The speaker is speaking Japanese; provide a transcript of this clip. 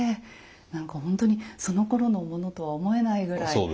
何か本当にそのころのものとは思えないぐらい。